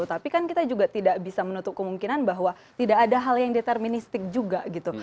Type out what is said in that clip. tapi kan kita juga tidak bisa menutup kemungkinan bahwa tidak ada hal yang deterministik juga gitu